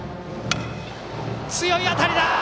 強い当たり！